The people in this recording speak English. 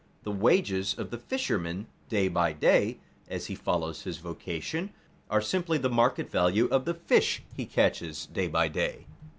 The wages of the fisherman day by day, as he follows his vocation, are simply the market value of the fish he catches day by day.